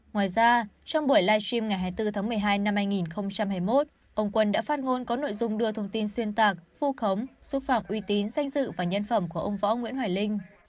ngoài ra trong buổi live stream ngày hai mươi bốn tháng một mươi hai năm hai nghìn hai mươi một ông quân đã phát ngôn có nội dung đưa thông tin xuyên tạc phu khống xúc phạm uy tín danh dự và nhân phẩm của ông võ nguyễn hoài linh